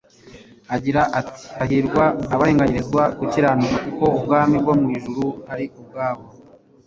agira ati :«Hahirwa abarenganyirizwa gukiranuka kuko ubwami bwo mu ijuru ari ubwabo.